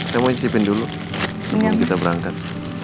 saya mau cicipin dulu sebelum kita berangkat